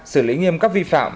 xử lý nghiêm cấp vi phạm